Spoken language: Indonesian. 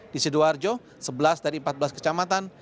di sidoarjo sebelas dari empat belas kecamatan